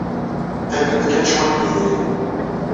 Qqimen-d kan cwiṭ n yedrimen.